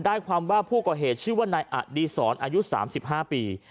ความว่าผู้ก่อเหตุชื่อว่านายอดีศรอายุ๓๕ปี